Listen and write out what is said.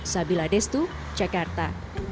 sabila destu jakarta